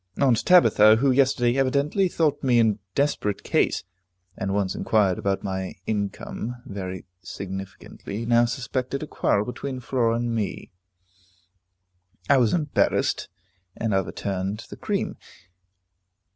Aunt Tabitha, who yesterday evidently thought me in desperate case, and once inquired about my income very significantly, now suspected a quarrel between Flora and me. I was embarrassed, and overturned the cream.